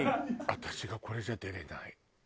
「私がこれじゃ出れない」。